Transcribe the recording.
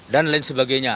dan lain sebagainya